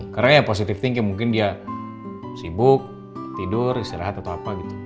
karena ya positive thinking mungkin dia sibuk tidur istirahat atau apa gitu